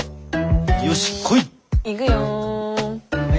よし来い！